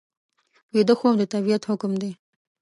ویده خوب د طبیعت حکم دی